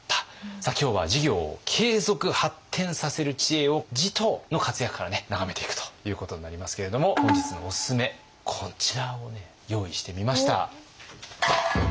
今日は事業を継続・発展させる知恵を持統の活躍から眺めていくということになりますけれども本日のおすすめこちらをね用意してみました。